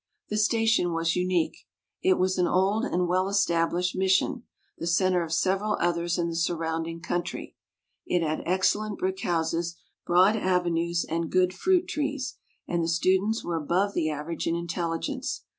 The station was unique. It was an old and well established mission, the center of several others in the surrounding country. It had excellent brick houses, broad avenues and good fruit trees, and the students were above the average in intelligence.